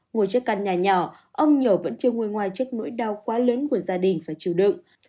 ngồi trước căn nhà nhỏ ông nhiều vẫn chưa ngôi ngoài trước nỗi đau quá lớn của gia đình phải chịu đựng